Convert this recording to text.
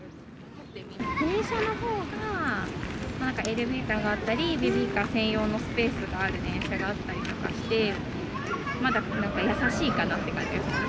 電車のほうがなんかエレベーターがあったり、ベビーカー専用のスペースがある電車があったりとかして、まだ優しいかなって感じですかね。